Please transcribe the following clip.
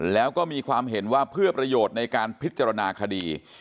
แล้วก็มีความเห็นว่าเพื่อประโยชน์ในการพิจารณาคดี